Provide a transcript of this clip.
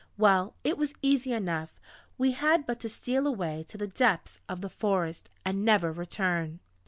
Well! It was easy enough! We had but to steal away to the depths of the forest, and never return!